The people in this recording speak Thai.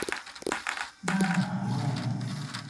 น่าจะหายเมื่อยนะ